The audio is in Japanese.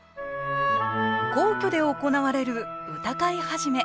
皇居で行われる歌会始。